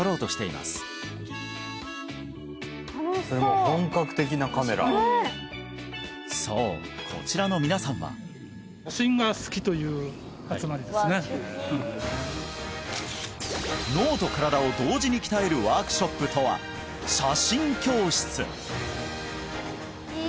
楽しそうそれも本格的なカメラそうこちらの皆さんは脳と身体を同時に鍛えるワークショップとは写真教室